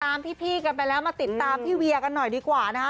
พี่กันไปแล้วมาติดตามพี่เวียกันหน่อยดีกว่านะคะ